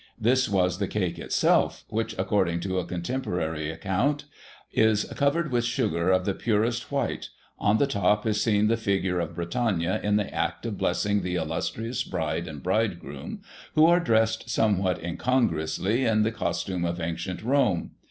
This was the cake itself, which, according to a contemporary accoimt, " is covered with sugar of the purest white ; on the top is seen the figure of Britannia in the act of blessing the illustrious bride and bridegroom, who are dressed, somewhat incongruously, in the costume of ancient Rome.